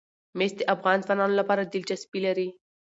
مس د افغان ځوانانو لپاره دلچسپي لري.